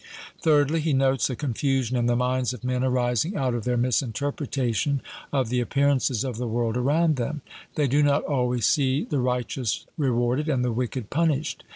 Thirdly, he notes a confusion in the minds of men arising out of their misinterpretation of the appearances of the world around them: they do not always see the righteous rewarded and the wicked punished.